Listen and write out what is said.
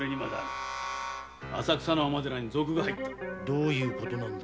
どういうことだ？